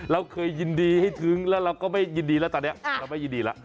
เราเคยยินดีให้ทึ้งแล้วเราก็ไม่ยินดีแล้วตอนนี้เราไม่ยินดีแล้ว